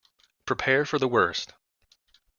Prepare for the worst!